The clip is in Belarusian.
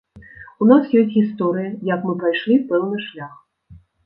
У нас ёсць гісторыя, як мы прайшлі пэўны шлях.